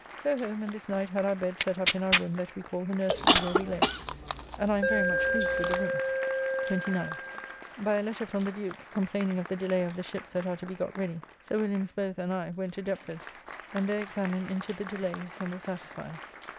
So home, and this night had our bed set up in our room that we called the Nursery, where we lay, and I am very much pleased with the room. 29th. By a letter from the Duke complaining of the delay of the ships that are to be got ready, Sir Williams both and I went to Deptford and there examined into the delays, and were satisfyed.